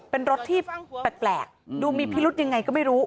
เป็นรถที่แปลกดูมีพิรุธยังไงก็ไม่รู้